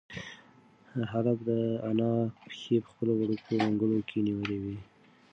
هلک د انا پښې په خپلو وړوکو منگولو کې نیولې وې.